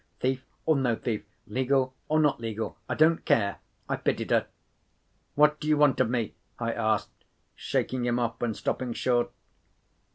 Thief or no thief, legal or not legal, I don't care—I pitied her. "What do you want of me?" I asked, shaking him off, and stopping short.